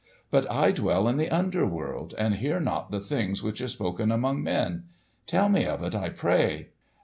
"But I dwell in the under world and hear not the things which are spoken among men. Tell me of it, I pray."